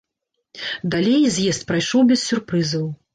Далей з'езд прайшоў без сюрпрызаў.